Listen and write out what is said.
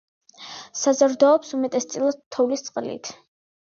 საზრდოობს უმეტესწილად თოვლის წყლით.